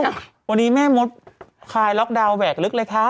วันนี้แม่มดคลายล็อกดาวนแหวกลึกเลยค่ะ